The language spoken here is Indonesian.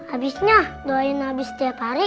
habisnya doain abis setiap hari